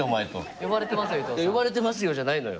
「呼ばれてますよ」じゃないのよ。